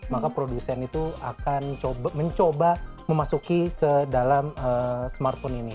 maka produsen itu akan mencoba memasuki ke dalam smartphone ini